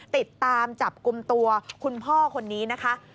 ติดตามจับกลุ่มตัวคุณพ่อคนนี้นะคะ